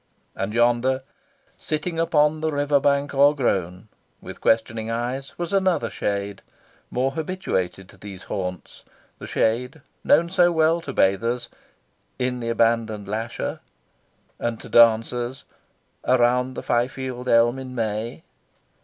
And yonder, "sitting upon the river bank o'ergrown," with questioning eyes, was another shade, more habituated to these haunts the shade known so well to bathers "in the abandoned lasher," and to dancers "around the Fyfield elm in May."